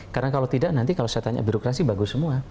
karena kalau tidak nanti kalau saya tanya birokrasi bagus semua